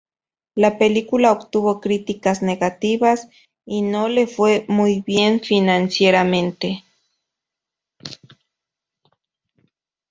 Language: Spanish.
La película obtuvo críticas negativas y no le fue muy bien financieramente.